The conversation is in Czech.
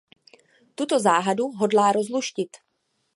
Tuto záhadu hodlá rozluštit.